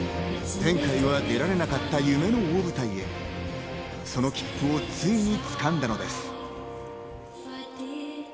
前回は出られなかった夢の大舞台へ、その切符をついに掴んだのです。